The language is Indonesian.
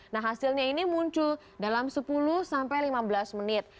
nah hasilnya ini muncul dalam sepuluh sampai lima belas menit